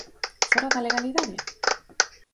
Fóra da legalidade?